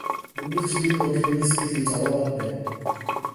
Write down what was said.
Үргэлж нэг бодол миний сэтгэлийг зовоогоод байна.